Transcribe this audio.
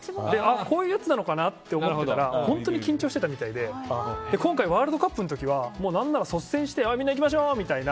こういうやつなのかなと思ってたら本当に緊張してたみたいで今回、ワールドカップの時は何なら、率先してみんな、行きましょう！みたいな。